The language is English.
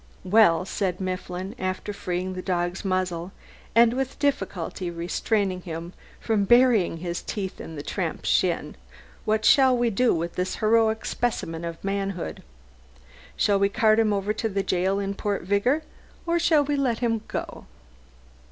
"Well," said Mifflin, after freeing the dog's muzzle, and with difficulty restraining him from burying his teeth in the tramp's shin, "what shall we do with this heroic specimen of manhood? Shall we cart him over to the jail in Port Vigor, or shall we let him go?"